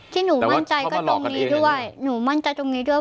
ที่หนูมั่นใจก็ตรงนี้ด้วยแต่ว่าเขามาหลอกกันเองหนูมั่นใจตรงนี้ด้วย